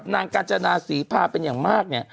นางกาญจนาศีพาเป็นอย่างมาก